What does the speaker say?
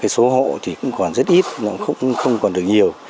số hộ thì cũng còn rất ít không còn được nhiều